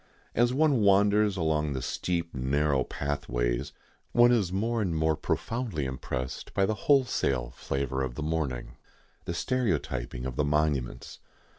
As one wanders along the steep, narrow pathways one is more and more profoundly impressed by the wholesale flavour of the mourning, the stereotyping of the monuments.